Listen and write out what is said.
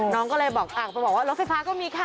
น้องก็เลยบอกไปบอกว่ารถไฟฟ้าก็มีค่ะ